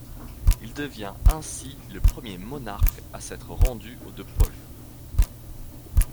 Il devient ainsi le premier monarque à s'être rendu aux deux pôles.